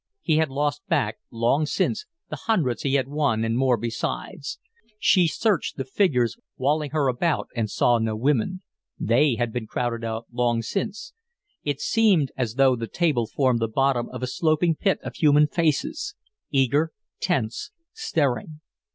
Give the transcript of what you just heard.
He had lost back, long since, the hundreds he had won and more besides. She searched the figures walling her about and saw no women. They had been crowded out long since. It seemed as though the table formed the bottom of a sloping pit of human faces eager, tense, staring.